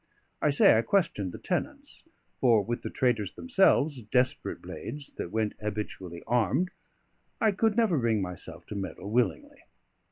I say, I questioned the tenants; for with the traders themselves, desperate blades that went habitually armed, I could never bring myself to meddle willingly.